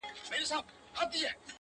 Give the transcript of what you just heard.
يوازي زه يمه چي ستا په حافظه کي نه يم _